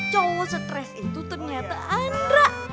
cowok stres itu ternyata andra